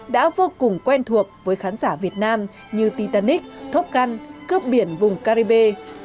đã vô cùng quen thuộc với khán giả việt nam như titanic top gun cướp biển vùng caribe